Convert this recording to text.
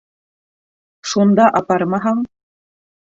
Шунда апармаһаң...